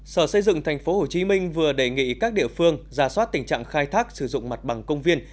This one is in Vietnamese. sở xây dựng tp hcm vừa đề nghị các địa phương ra soát tình trạng khai thác sử dụng mặt bằng công viên